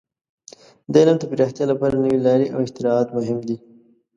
د علم د پراختیا لپاره نوې لارې او اختراعات مهم دي.